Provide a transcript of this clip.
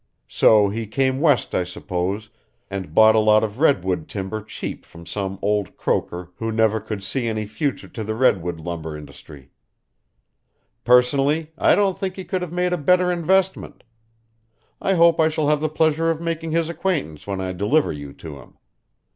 So he came West, I suppose, and bought a lot of redwood timber cheap from some old croaker who never could see any future to the redwood lumber industry. Personally, I don't think he could have made a better investment. I hope I shall have the pleasure of making his acquaintance when I deliver you to him.